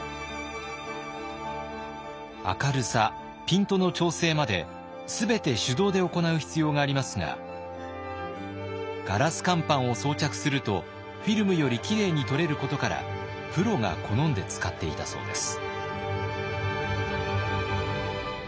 明るさピントの調整まで全て手動で行う必要がありますがガラス乾板を装着するとフィルムよりきれいに撮れることからプロが好んで使っていたそうです。